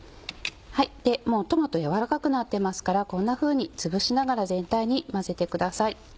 もうトマト軟らかくなってますからこんなふうにつぶしながら全体に混ぜてください。